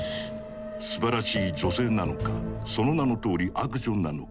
「すばらしい女性」なのか「その名のとおり悪女」なのか。